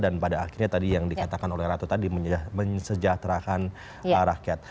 dan pada akhirnya tadi yang dikatakan oleh ratu tadi mensejahterakan rakyat